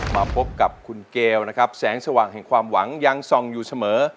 มาพบกับคุณเกลนะครับแสงสว่างแห่งความหวังยังส่องอยู่เสมอ